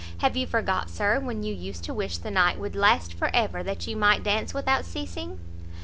Have you forgot, Sir, when you used to wish the night would last for ever, that you might dance without ceasing?"